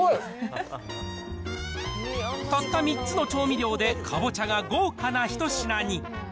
たった３つの調味料でかぼちゃが豪華な一品に。